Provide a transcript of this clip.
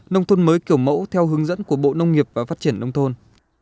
nông thôn mới kiểu mẫu theo hướng dẫn của bộ nông nghiệp và phát triển nông thôn